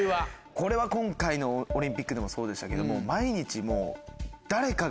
これは今回のオリンピックでもそうでしたけども。